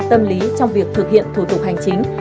tâm lý trong việc thực hiện thủ tục hành chính